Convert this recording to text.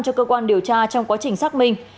cho cơ quan điều tra trong quá trình xác minh